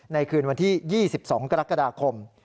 คืนวันที่๒๒กรกฎาคม